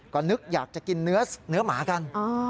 ก็นึกอยากจะกินเนื้อหมากัน